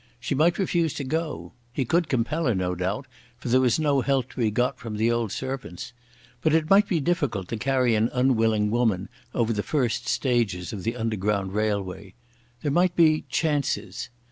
She might refuse to go. He could compel her, no doubt, for there was no help to be got from the old servants. But it might be difficult to carry an unwilling woman over the first stages of the Underground Railway. There might be chances....